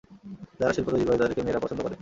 যারা শিল্প তৈরি করে তাদেরকে মেয়েরা পছন্দ করে।